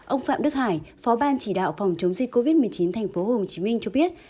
ông phạm đức hải phó ban chỉ đạo phòng chống dịch covid một mươi chín thành phố hồ chí minh cho biết